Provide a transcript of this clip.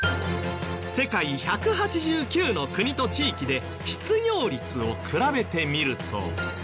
世界１８９の国と地域で失業率を比べてみると。